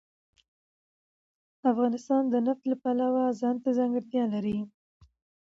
افغانستان د نفت د پلوه ځانته ځانګړتیا لري.